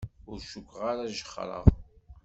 Ur cukkeɣ ara jexxreɣ.